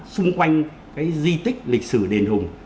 xung quanh cái di tích lịch sử đền hùng